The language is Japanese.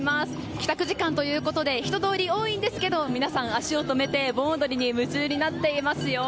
帰宅時間ということで人通り多いんですが皆さん、足を止めて盆踊りに夢中になっていますよ。